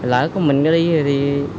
lỡ có mình đi thì